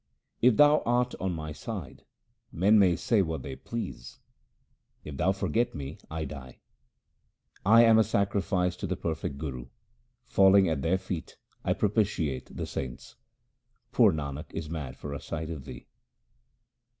If Thou art on my side, men may say what they please ; if Thou forget me, I die. I am a sacrifice to the perfect Guru : falling at their feet I propitiate the saints. Poor Nanak is mad for a sight of Thee.